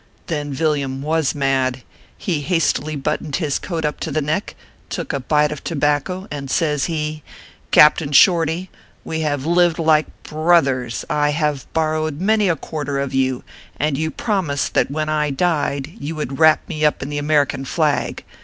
Then Villiam was mad. He hastily buttoned his coat up to the neck, took a bite of tobacco, and says he: " Captain Shorty, we have lived like br r others ; I have borrowed many a quarter of you ; and you promised that when I died, you would wrap me up in the American flag.